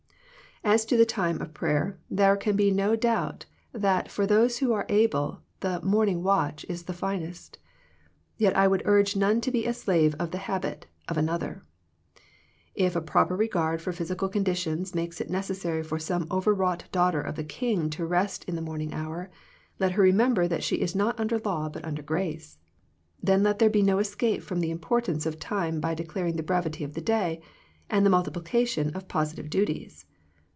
As to the time of prayer there can be no little doubt that for those who are able the " morning watch " is the finest. Yet I would urge none to be slave of the habit of another. If a proper regard for physical conditions makes it necessary for some over wrought daughter of the King to rest in the morning hour, let her remember that she is not under law, but under grace. Then let there be no escape from the importance of time by declar ing the brevity of the day, and the multiplication of positive duties.